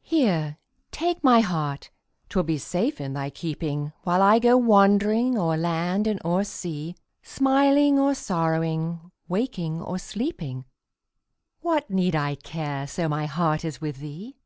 Here, take my heart 'twill be safe in thy keeping, While I go wandering o'er land and o'er sea; Smiling or sorrowing, waking or sleeping, What need I care, so my heart is with thee?